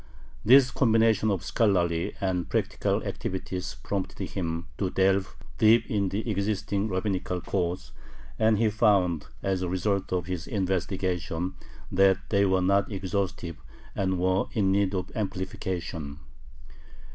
This combination of scholarly and practical activities prompted him to delve deep in the existing rabbinical codes, and he found, as a result of his investigation, that they were not exhaustive, and were in need of amplification.